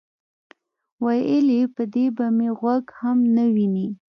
ویل یې: په دې به مې غوږ هم نه وینئ.